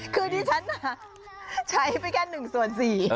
คือดิฉันใช้ไปแค่๑ส่วน๔